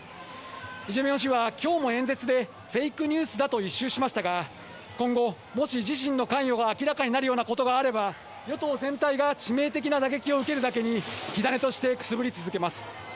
イ・ジェミョン氏はきょうも演説で、フェイクニュースだと一蹴しましたが、今後、もし自身の関与が明らかになるようなことがあれば、与党全体が致命的な打撃を受けるだけに、火種としてくすぶり続けます。